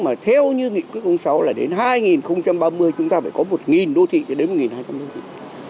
mà theo như nghị quyết sáu là đến hai nghìn ba mươi chúng ta phải có một đô thị đến một hai trăm linh đô thị